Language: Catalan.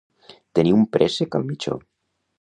Tenir un préssec al mitjó.